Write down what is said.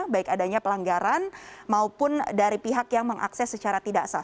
baik adanya pelanggaran maupun dari pihak yang mengakses secara tidak sah